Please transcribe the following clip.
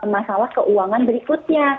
masalah keuangan berikutnya